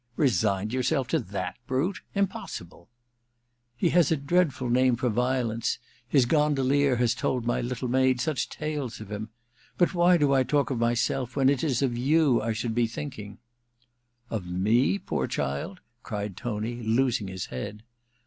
* Resigned yourself to that brute ! Im possible !' *He has a dreadful name for violence — his gondolier has told my little maid such tales of him ! But why do I talk of myself, when it is of you I should be thinking ?' 338 A VENETIAN NIGHTS in ' Of me, poor child ?' cried Tony, losing his head.